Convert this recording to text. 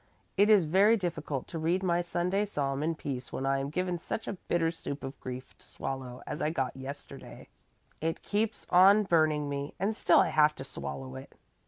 It is very difficult to read my Sunday psalm in peace when I am given such a bitter soup of grief to swallow as I got yesterday. It keeps on burning me, and still I have to swallow it."